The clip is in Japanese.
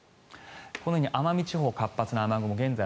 このように奄美地方、活発な雨雲